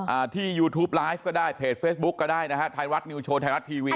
อ่าที่ยูทูปไลฟ์ก็ได้เพจเฟซบุ๊กก็ได้นะฮะไทยรัฐนิวโชว์ไทยรัฐทีวี